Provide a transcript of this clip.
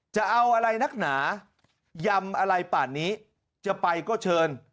จะเอาอะไรนักหนายำอะไรป่านนี้จะไปก็เชิญ